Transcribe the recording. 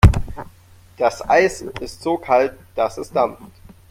Das Eis ist so kalt, dass es dampft.